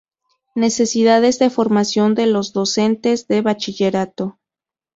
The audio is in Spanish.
Necesidades de formación de los docentes de bachillerato.